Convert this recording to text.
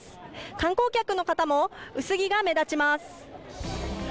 観光客の方も薄着が目立ちます。